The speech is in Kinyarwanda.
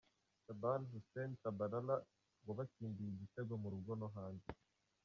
Shaban Hussein Tchabalala wabatsindiye igitego mu rugo no hanze.